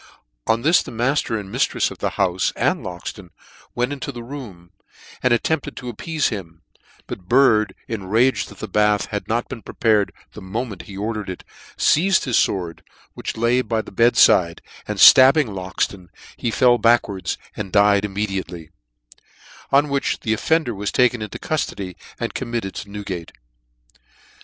On this, the matter and miftrefs of the houfe and Loxton went into the room, and at tempted to appeafe him : but Bird, enraged that the bath had not been prepared the moment he ordered it, feized his fword, which lay by the bed fide, and ftabbing Loxton, he fell back wards, and died immediately j on which the of fender was taken into cuftody^ and committed to Newgate.